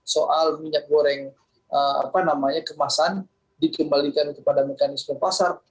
soal minyak goreng kemasan dikembalikan kepada mekanisme pasar